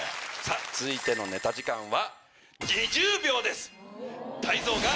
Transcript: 続いてのネタ時間は。